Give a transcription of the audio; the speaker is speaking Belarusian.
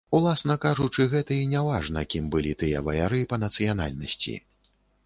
Уласна кажучы, гэта і не важна, кім былі тыя ваяры па нацыянальнасці.